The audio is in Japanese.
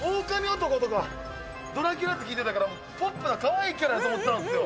狼男とか、ドラキュラって聞いてたから、ポップなかわいいキャラだと思ってたんですよ。